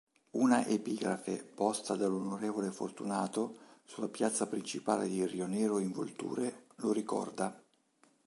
Una epigrafe, posta dall'On. Fortunato, sulla piazza principale di Rionero in Vulture lo ricorda.